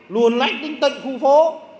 luồn lách tỉnh tận khu phố